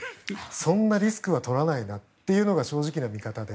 そんなリスクは取らないなというのが正直な見方で。